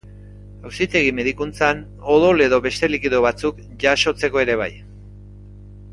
Auzitegi medikuntzan odol edo beste likido batzuk jasotzeko ere bai.